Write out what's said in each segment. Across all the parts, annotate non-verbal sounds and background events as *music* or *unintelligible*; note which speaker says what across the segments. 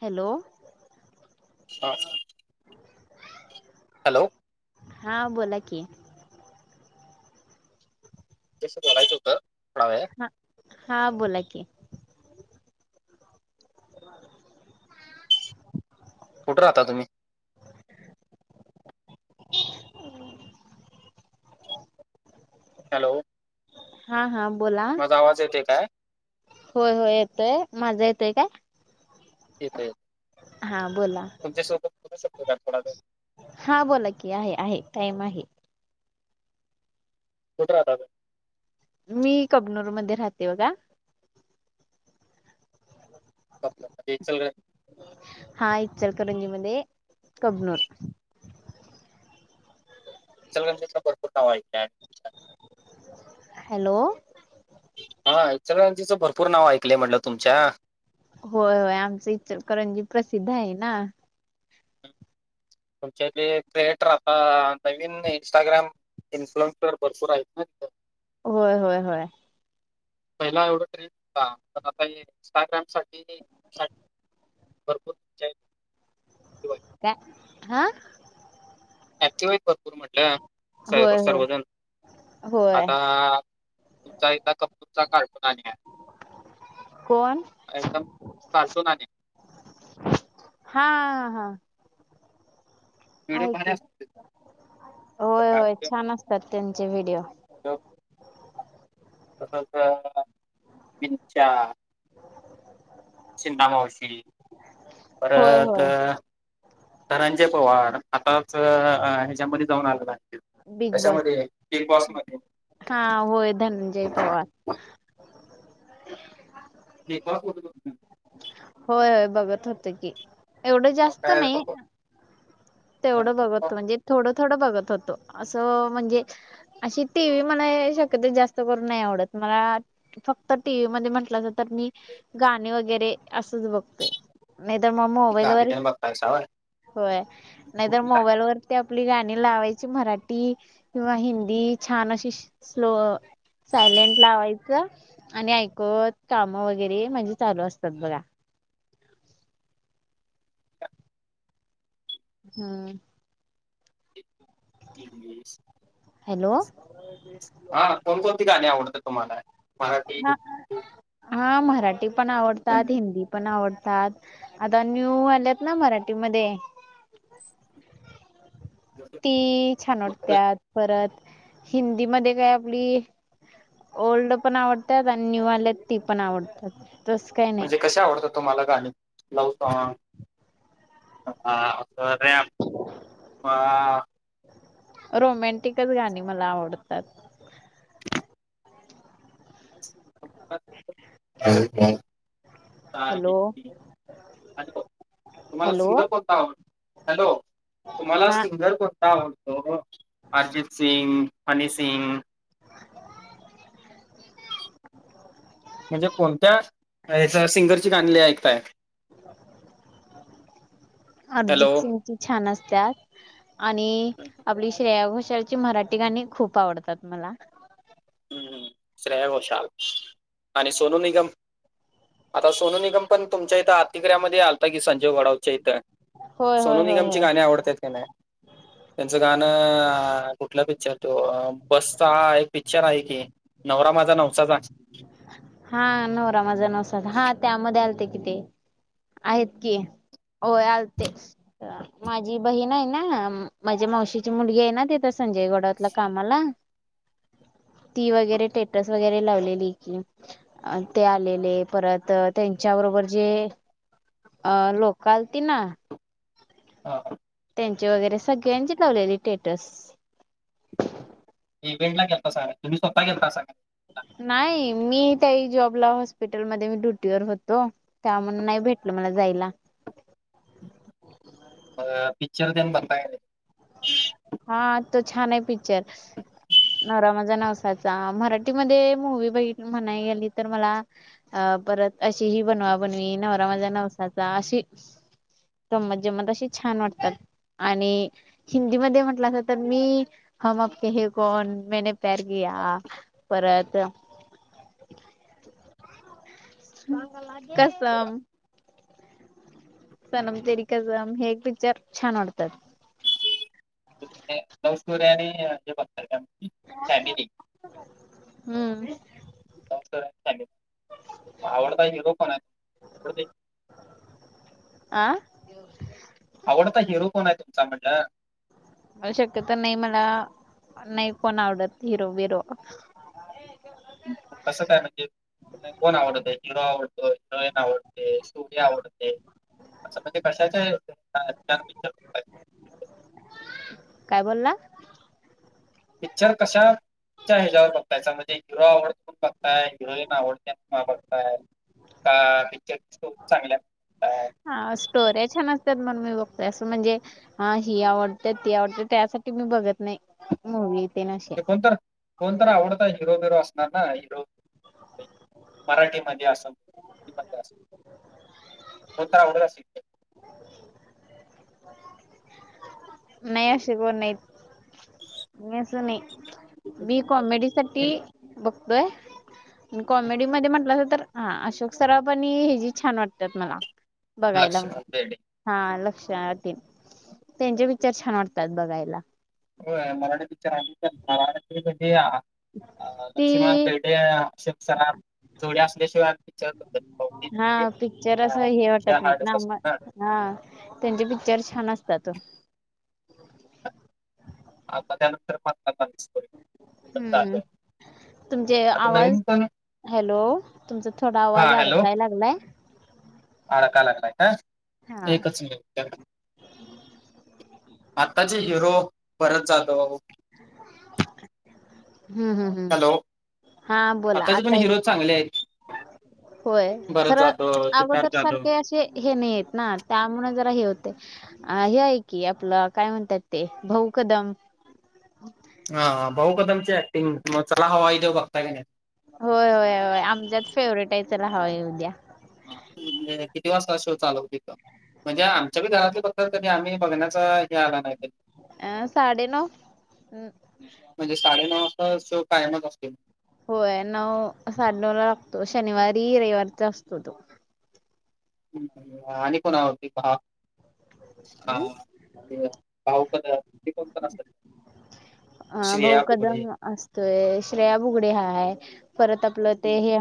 Speaker 1: Hello!
Speaker 2: आ hello
Speaker 1: हा बोला की‌‌‌‍‌‌‌‌
Speaker 2: *unintelligible* बोलायचं होतं *unintelligible*
Speaker 1: हा हा बोला कि.
Speaker 2: कुठं राहता तुम्ही? हॅलो
Speaker 1: हा हा बोला.
Speaker 2: माझा आवाज येतोय काय
Speaker 1: होय होय येतोय माझं येतोय, माझा येतोय काय.
Speaker 2: येतोय
Speaker 1: हां बोल
Speaker 2: तुमच्यासोबत बोलु शकतो का थोडावेळ.
Speaker 1: हा बोला की आहे आहे टाईम आहे.
Speaker 2: कुठं राहता तुम्ही?
Speaker 1: मी कबनूरमध्ये राहते बघा.
Speaker 2: *inaudible*
Speaker 1: हा इचलकरंजी मध्ये कबनूर.
Speaker 2: ् *inaudible*
Speaker 1: हॅलो
Speaker 2: हा इचलकरंजीचं भरपूर नाव ऐकलंय म्हटलं तुमच्या.
Speaker 1: होय होय आमचं इचलकरंजी प्रसिद्ध आहे ना.
Speaker 2: तुमच्या ते क्रिएटर आता नवीन इंस्टाग्राम. इन्सुलन्स तर भरपूर आहेत ना तिथ
Speaker 1: होय होय होय
Speaker 2: पहिला एवढा *inaudible* साठी भरपुर
Speaker 1: का हा *inaudible*
Speaker 2: *unintelligible* भरपूर म्हटलं
Speaker 1: होय
Speaker 2: स
Speaker 1: होय
Speaker 2: सर्वजण
Speaker 1: होय
Speaker 2: आता तुमचा एकदा कपूरचा कार्टून *unintelligible*
Speaker 1: कोण
Speaker 2: एकदम कार्टून आणि
Speaker 1: हा हा
Speaker 2: व्हिडिओ
Speaker 1: आई
Speaker 2: भारी
Speaker 1: कु,
Speaker 2: असतात
Speaker 1: होय, होय छान असतात त्यांचे व्हिडिओ.
Speaker 2: ह *unintelligible* तसंच विच्याा *unintelligible* *inaudible* चिंतामावशी
Speaker 1: होय
Speaker 2: *inaudible* परत
Speaker 1: होय
Speaker 2: धनंजय पवार आताच ह्याच्यामध्ये जाऊन आलेला आहे.
Speaker 1: बिग
Speaker 2: कशा
Speaker 1: बॉस
Speaker 2: मध्ये? बिग बॉस मध्ये.
Speaker 1: हा होय धनंजय पवार.
Speaker 2: बिग बॉक्स ब *unintelligible*
Speaker 1: होय, होय बघत होत की एवढं
Speaker 2: मग
Speaker 1: जास्त
Speaker 2: काय
Speaker 1: नाही. तेवढं
Speaker 2: धनंजय
Speaker 1: बघत हो म्हणजे थोड, थोड बघत होतो असं म्हणजे अशी टी व्ही मला शक्यतो जास्त करून नाही आवडत मला फक्त टी व्ही मध्ये म्हंटलं अस तर मी गाणी वगैरे असच बघतोय. नाही तर मग
Speaker 2: गाणी
Speaker 1: मोबाईलवर,
Speaker 2: त्याने बघताय सावय
Speaker 1: होय नाही तर मोबाईलवर ते आपली गाणी लावायची मराठी किंवा हिंदी छान अशी स्लो सायलेंट लावायचं आणि ऐकवत काम वगैरे म्हणजे चालू असतात बघा. हम्म. हॅलो
Speaker 2: हा कोणकोणती गाणी आवडतात तुम्हाला? मराठी
Speaker 1: हा मराठी पण आवडतात, हिंदी पण आवडतात. आता न्यू आलेत ना मराठी मध्ये? ती छान वाटत्यात परत हिंदी मध्ये बी आपली ओल्ड पण आवडतात आणि न्यू आल्यात ती पण आवडतात. तस काही नाही
Speaker 2: म्हणजे कसे आवडतात तुम्हाला गाणी लव सॉग? रॅम *inaudible* *unintelligible*
Speaker 1: रोमॅंटिकच गाणी मला आवडतात.
Speaker 2: आणि काय
Speaker 1: हॅलो
Speaker 2: *inaudible* तुम्हाला
Speaker 1: हॅलो
Speaker 2: सिंगर कोणता आवडतो हॅलो तुम्हाला
Speaker 1: हा
Speaker 2: सिंगर कोणता आवडतो हो अरिजीत सिंग, हनी सिंग म्हणजे कोणत्या हेच सिंगरची गाणी लय ऐकताय हॅलो
Speaker 1: अरजित सिंगची छान असत्यात आणि आपली श्रेया घोषालची मराठी गाणी खूप आवडतात मला
Speaker 2: हम श्रेया घोषाल आणि सोनु निगम आता सोनू निगम पण तुमच्या इथं आतीग्र्या मध्ये आलता की संजय घोडावत च्या इथं
Speaker 1: होय होय
Speaker 2: सोनू
Speaker 1: होय
Speaker 2: निगमची
Speaker 1: होय
Speaker 2: गाणी आवडत्यात का नाय त्यांचं गाणं कुठलं पिक्चर तो बसचा एक पिक्चर आहे की नवरा माझा नवसाचा
Speaker 1: हा नवरा माझ नवसा हा त्यामध्ये आलते कि ते आहेत की होय आलते माझी बहीण हाय ना माझ्या मावशीची मुलगी आहे ना तिथ संजय घोडावतला कामाला ती वगैरे स्टेटस वगैरे लावलेली अ ते आलेले परत त्यांच्या बरोबर जे अ लोक आलती ना
Speaker 2: हा. हा
Speaker 1: त्यांचे वगैरे सगळ्यांची लावलेली स्टेटस
Speaker 2: इव्हेंट ला गेलतासा का नाही तुम्ही स्वतः गेलतासा का नाही
Speaker 1: नाही मी त्या वेळी जॉबला हॉस्पिटल मध्ये मी ड्युटीवर होतो त्या मूळ नाही भेटलं मला जायला
Speaker 2: *unintelligible*
Speaker 1: हा, तो छान हाय पिक्चर. नवरा माझा नवसाचा, मराठीमध्ये मूवी बघित म्हणाय नाही गेली तर मला अ, परत अशी ही बनवा-बनवी, नवरा माझा नवसाचा अशी. गंमत -जमंत अशी छान वाटतात, आणि हिंदीमध्ये म्हणत तर मी, हम आपके है कौन, मैने प्यार किया परत कसम. सनम तेरी कझम हे पिक्चर छान वाटतात.
Speaker 2: लव्ह स्टोरी आणि हेच हाय.
Speaker 1: हम्म.
Speaker 2: *unintelligible*
Speaker 1: आं.
Speaker 2: आवडता हिरो कोण हाय तुमचा म्हणलं?
Speaker 1: म, शक्यत नाही मला, नाही कोण आवडत हिरो, बिरो.
Speaker 2: कसं काय म्हणजेच? कोण आवडतय? हिरो आवडतो? हिरोईन आवडते? स्टोरी आवडते? *unintelligible*
Speaker 1: काय बोलला?
Speaker 2: पिच्चर कशात. पिच्चर हिजावर बघताय, त्याच्या मध्ये हिरो आवडतोय म्हणून बघताय, हिरोईन आवडते म्हणून बघताय? *unintelligible*
Speaker 1: आ, स्टोऱ्या छान असत्यात म्हणून मी बघतोय, असं म्हणजे हा, ही आवडत्या, ती आवडत्या त्यासाठी मी बघत नाही, मूवी तेन अशे.
Speaker 2: कोणतर आवडता हिरो -बिरो असणार ना. हिरो मराठीमध्ये असलं, हिंदी मध्ये असल कोण तर आवडत असलं की?
Speaker 1: नाही असे कोण नाहीत. असं नाही, मी कॉमेडी साठी
Speaker 2: हम्म,
Speaker 1: बघतोय.
Speaker 2: हम्म.
Speaker 1: कॉमेडी मध्ये म्हटलासा तर, हा अशोक सराफ आणि हे जी छान वाटत्यात मला. बघायला.
Speaker 2: लक्ष्मण बेर्डे
Speaker 1: हा, लक्ष्या तेन, त्यांचे पिच्चर छान वाटतात बघायला.
Speaker 2: *unintelligible* तेे
Speaker 1: ती
Speaker 2: अशोक सराफ जोडी असल्याशिवाय
Speaker 1: हा पिक्चर असं हे वाटत नाहीत ना मग
Speaker 2: *unintelligible*
Speaker 1: हा, त्यांचे पिक्चर छान असतात.
Speaker 2: *unintelligible* चालू
Speaker 1: हम्म,
Speaker 2: आहे.
Speaker 1: तुमचे
Speaker 2: आता
Speaker 1: आवाज
Speaker 2: नवीन पण
Speaker 1: हॅलो, तुमचा थोडा
Speaker 2: हा
Speaker 1: आवाज अडकाय लागलाय.
Speaker 2: आडकाय लागलाय का?
Speaker 1: हा
Speaker 2: एकच मिनिट आताचे हिरो भरत जाधव
Speaker 1: *unintelligible* हम्म, हम्म, हम्म
Speaker 2: हॅलो
Speaker 1: हा बोला
Speaker 2: आताचे पण
Speaker 1: आता य
Speaker 2: हिरो चांगले आहेत
Speaker 1: होय,
Speaker 2: भरत
Speaker 1: खरं
Speaker 2: जाधव सिद्धार्थ
Speaker 1: अगोदर
Speaker 2: जाधव
Speaker 1: सारखे असे हे नाहीयेत ना, त्यामुळे जरा हे होतय. अ हे आहे की आपला काय म्हणतात ते, भाऊ कदम.
Speaker 2: हा, हा भाऊ कदमची ऍक्टिंग, मग चला हवा येऊ द्या बघताय काय नाही?
Speaker 1: होय होय होय आमच्यात फेवरेट आहे चला हवा येवु द्या.
Speaker 2: किती वाजता शो चालू होतो तिथ. म्हणजे आमच्या घरातले बद्दल करी आम्ही बघण्याच हे आला नाही कधी.
Speaker 1: अ साडे नऊ हम्.
Speaker 2: म्हणजे साडेनऊचा शो कायमच आसतोय.
Speaker 1: होय नऊ साडे नऊ ला लागतो शनिवारी रविवारीचा असतो तो.
Speaker 2: आणि कोण आवडती पहा हा ते. भाऊ कदम हे पण असतात.
Speaker 1: अ भाऊ
Speaker 2: श्रेया
Speaker 1: कदम
Speaker 2: बुगडे
Speaker 1: असतोय श्रेया बुगडे आहे परत आपलं
Speaker 2: हं,
Speaker 1: ते हे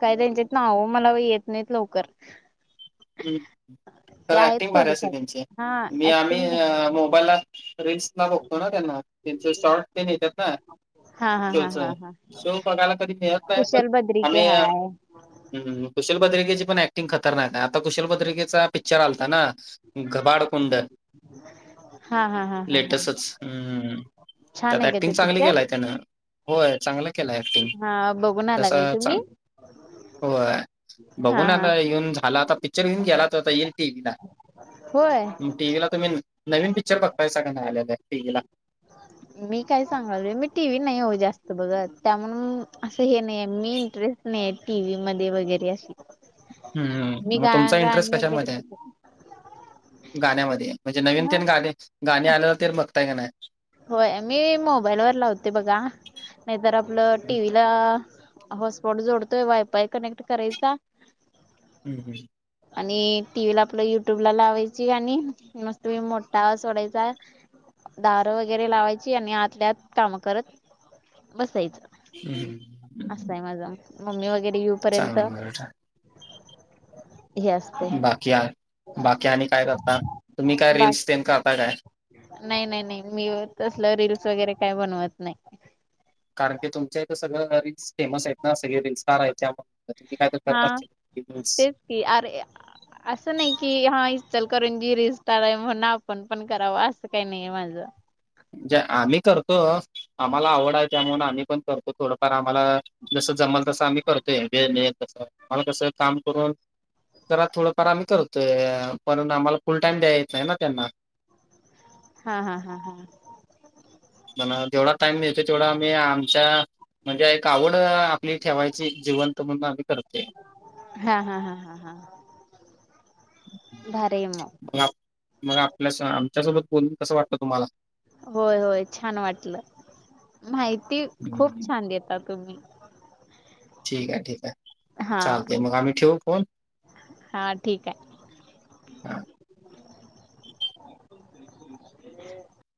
Speaker 1: काय त्यांच्यात नावं मला येत नाहीत लवकर.
Speaker 2: ह्
Speaker 1: ते
Speaker 2: खर
Speaker 1: आहेत
Speaker 2: ऍक्टिंग भारी
Speaker 1: थोडेफार
Speaker 2: असेल त्यांची
Speaker 1: हा
Speaker 2: मी आम्ही
Speaker 1: ऍक्टिंग
Speaker 2: मोबाईलला रिल्स ला बघतो ना त्यांना त्यांचे शॉर्ट तेन येतात ना.
Speaker 1: हा हा हा
Speaker 2: शोच
Speaker 1: हा हा
Speaker 2: शो बघायला कधी मिळत नाही पण
Speaker 1: कुशल बद्रिके
Speaker 2: आम्ही
Speaker 1: हाय
Speaker 2: हम कुशल भद्रिकेची पण ऍक्टिंग खतरनाक आहे आता कुशल भद्रिकेचा पिक्चर आलाता ना! घबाडकुंड.
Speaker 1: हा हा हा हा हा
Speaker 2: लेटेस्टच हम्
Speaker 1: छान
Speaker 2: त्यात
Speaker 1: आहे का ते
Speaker 2: ऍक्टिंग चांगली
Speaker 1: पिक्चर
Speaker 2: केलाय त्यानं. होय चांगला केलाय एकटींग
Speaker 1: हा बघून आला
Speaker 2: तस
Speaker 1: काय तुम्ही
Speaker 2: चां हो बघू
Speaker 1: हा हा
Speaker 2: आलोय येऊन झाला आता पिक्चर येऊन गेला तो आता येईल टिव्ही ला.
Speaker 1: होय
Speaker 2: टिव्ही ला तुम्ही नवीन पिक्चर बघतायसा की नाही टिव्ही ला!
Speaker 1: मी काय सांगालोयमी टी व्ही नाही हो जास्त बघत त्या म्हणून असं हे नाही मी इंटरेस्ट नाही टी व्ही मध्ये वगैरे अशी. मी
Speaker 2: हम् मग
Speaker 1: गा
Speaker 2: तुमचा
Speaker 1: गाणी
Speaker 2: इंटरेस्ट
Speaker 1: वगैरे
Speaker 2: कशामध्ये आहे. गाण्यामध्ये म्हणजे नवीन
Speaker 1: हा
Speaker 2: तेन गाणे गाणी आलेला ते बघताय का नाही?
Speaker 1: होय मी मोबाईलवर लावते बघा नाहीतर आपलं टी
Speaker 2: हम्म
Speaker 1: व्हीला हॉट स्पॉट जोडतोय वायफाय कनेक्ट करायचा
Speaker 2: ह ह.
Speaker 1: आणि टी व्ही ला आपलं युट्यूब ला लावायची गाणी. मस्तपैकी मोठा आवाज सोडायचा दहा वगैरे लावायची आणि आतल्यात काम करत बसायच.
Speaker 2: हम्
Speaker 1: माझ मम्मी वगैरे य
Speaker 2: चांगलं आहे.
Speaker 1: ह.
Speaker 2: बाकी बाकी आणि काय करता तुम्ही काय
Speaker 1: बा
Speaker 2: रील्स तेन करता काय?
Speaker 1: नाही नाही नाही मी तसलं रिल्स वगैरे काय बनवत नाही.
Speaker 2: कारण की तुमच्या इथं सगळं रील्स फेमस आहेत ना सगळे रील्स स्टार आहेत ना.
Speaker 1: हा तेच की अरे. असं नाही की हा इचलकरंजी रिल स्टार आहे म्हणून आपण पण कराव अस काय नाही माझं.
Speaker 2: आम्ही करतो आम्हाला आवड आहे त्यामुळे आम्ही पण करतो. थोडंफार आम्हाला जस जमल तसं आम्ही करतोय वे तस आ कसं काम करून जरा थोडंफार आम्ही करतोय पण आम्हाला फुल टाइम द्यायला येत नाही ना त्यांना.
Speaker 1: हा हा हा हा '
Speaker 2: पण जेवढा टाइम मिळतो तेवढा आम्ही आमच्या म्हणजे एक आवड आपली ठेवायची जिवंत म्हणून आम्ही करतोय.
Speaker 1: हा हा हा हा हा भारी आहे मग.
Speaker 2: मग, मग आपल्या आमच्या‌‌ सोबत बोलून कसं वाटतं तुम्हाला?
Speaker 1: होय, होय छान वाटलं माहिती खूप छान देता तुम्ही.
Speaker 2: ठीक आहे, ठीक आहे
Speaker 1: हा
Speaker 2: चालतय, मग आम्ही ठेवू फोन?
Speaker 1: हा ठीक आहे.
Speaker 2: हम. *inaudible*